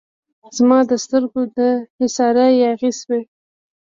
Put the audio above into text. زما د سترګو د حصاره یاغي شوی